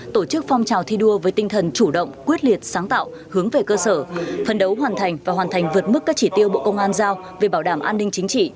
tổ chức phong trào thi đua với tinh thần chủ động quyết liệt sáng tạo hướng về cơ sở phân đấu hoàn thành và hoàn thành vượt mức các chỉ tiêu bộ công an giao về bảo đảm an ninh chính trị